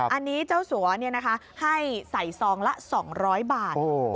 อันนี้เจ้าสัวให้ใส่ซองละ๒๐๐บาท